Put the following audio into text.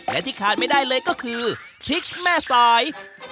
และที่ขาดไม่ได้เลยก็คือพริกแม่สาย